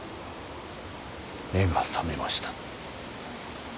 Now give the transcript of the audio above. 目が覚めました。